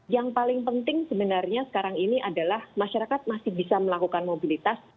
yang paling penting sebenarnya sekarang ini adalah masyarakat masih bisa melakukan mobilitas